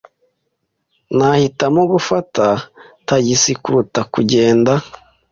Nahitamo gufata tagisi kuruta kugenda.